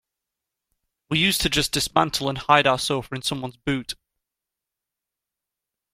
We used to just dismantle and hide our sofa in someone's boot.